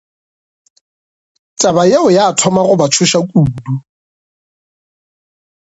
Taba yeo ya thoma go ba tšhoša kudu.